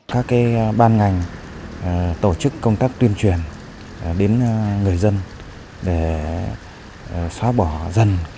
các ban ngành tổ chức công tác tuyên truyền đến người dân để xóa bỏ dần